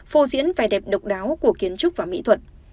phô diễn vẻ đẹp độc đáo của kiến trúc và mỹ thuật